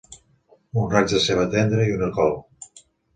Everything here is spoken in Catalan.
Un raig de ceba tendra i una col.